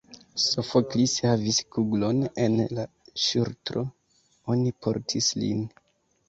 Sofoklis havis kuglon en la ŝultro: oni portis lin.